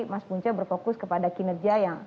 mas punca berfokus kepada kinerja yang